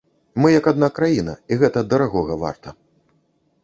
Мы як адна краіна, і гэта дарагога варта.